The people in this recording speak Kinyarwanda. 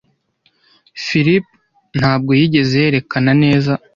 Philip ntabwo yigeze yerekana neza.